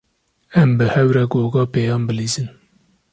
Em bi hev re goga pêyan bilîzin.